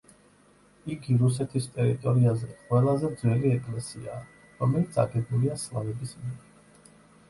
იგი რუსეთის ტერიტორიაზე ყველაზე ძველი ეკლესიაა, რომელიც აგებულია სლავების მიერ.